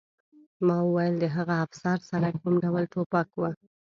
ما وویل د هغه افسر سره کوم ډول ټوپک و